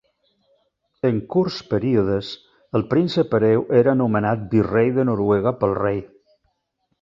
En curts períodes, el príncep hereu era nomenat virrei de Noruega pel rei.